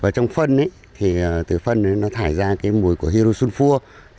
trong phân thì từ phân nó thải ra cái mùi của herosulfur